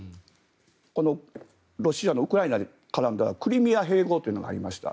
このロシアのウクライナに絡んだクリミア併合というのがありました。